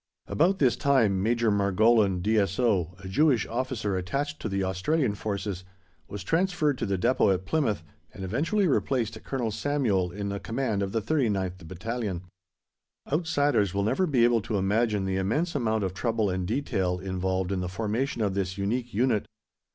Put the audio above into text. About this time Major Margolin, D.S.O., a Jewish officer attached to the Australian Forces, was transferred to the Depôt at Plymouth, and eventually replaced Colonel Samuel in the command of the 39th Battalion. Outsiders will never be able to imagine the immense amount of trouble and detail involved in the formation of this unique unit.